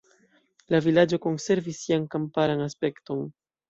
La vilaĝo konservis sian kamparan aspekton.